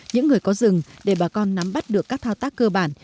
những người có rừng để bà con nắm bắt được các thao tác cơ bản